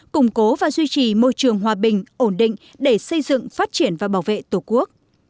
củng cố và duy trì môi trường hòa bình ổn định để xây dựng phát triển và bảo vệ tổ quốc